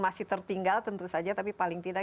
masih tertinggal tentu saja tapi paling tidak